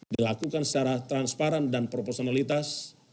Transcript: dilakukan secara transparan dan proporsionalitas